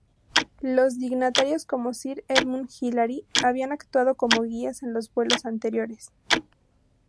Los dignatarios como Sir Edmund Hillary habían actuado como guías en los vuelos anteriores.